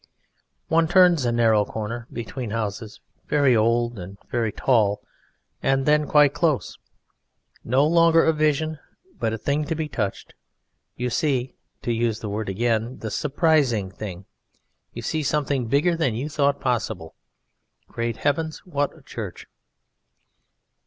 One turns a narrow corner between houses very old and very tall, and then quite close, no longer a vision, but a thing to be touched, you see to use the word again the "surprising" thing. You see something bigger than you thought possible. Great heavens, what a church!